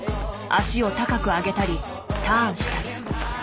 脚を高く上げたりターンしたり。